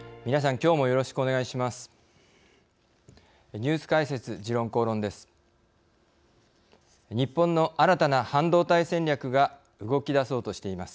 きょうもよろしくお願いします。